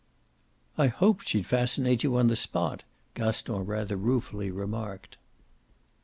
"I hoped she'd fascinate you on the spot," Gaston rather ruefully remarked.